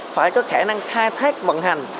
phải có khả năng khai thác vận hành